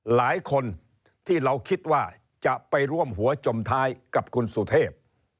หลายคนที่เราคิดว่าจะไปร่วมหัวจมท้ายกับคุณสุเทพ